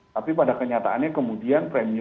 tapi pada kenyataannya kemudian premium